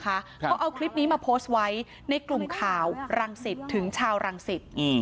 เขาเอาคลิปนี้มาโพสต์ไว้ในกลุ่มข่าวรังสิตถึงชาวรังสิต